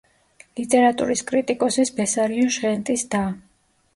ლიტერატურის კრიტიკოსის ბესარიონ ჟღენტის და.